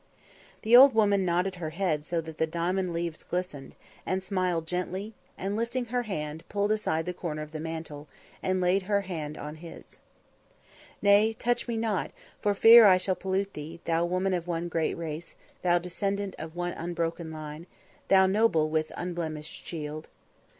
The old woman nodded her head so that the diamond leaves glistened, and smiled gently and lifting her hand pulled aside the corner of the mantle, and laid her hand again on his. "Nay, touch me not, for fear I shall pollute thee, thou woman of one great race; thou descendant of one unbroken line; thou noble with unblemished shield."